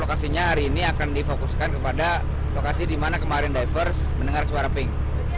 lokasinya hari ini akan difokuskan kepada lokasi di mana kemarin diverse mendengar suara pink